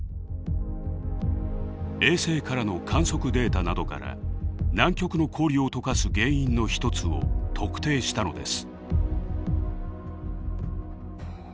衛星からの観測データなどから南極の氷を解かす原因の一つを特定したのです。